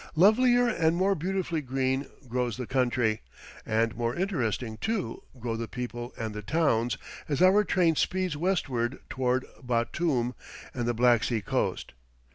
Lovelier and more beautifully green grows the country, and more interesting, too, grow the people and the towns, as our train speeds westward toward Batoum and the Black Sea coast.